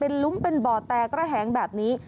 ลุ้มเป็นบ่อแตกระแหงแบบนี้